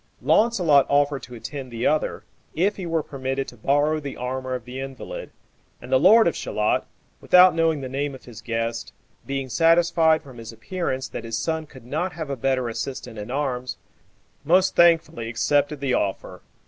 Launcelot offered to attend the other, if he were permitted to borrow the armor of the invalid, and the lord of Shalott, without knowing the name of his guest, being satisfied from his appearance that his son could not have a better assistant in arms, most thankfully accepted the offer.